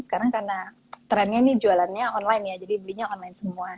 sekarang karena trennya ini jualannya online ya jadi belinya online semua